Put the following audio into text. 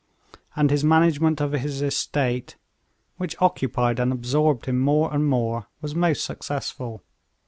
And his management of his estate, which occupied and absorbed him more and more, was most successful.